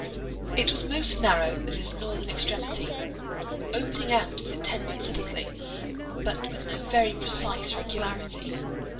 It was most narrow at its northern extremity, opening out as it tended southwardly, but with no very precise regularity.